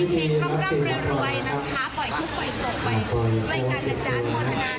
ทุกคนมาทึกเอานะ